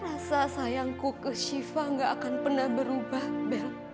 rasa sayangku ke sifat nggak akan pernah berubah bel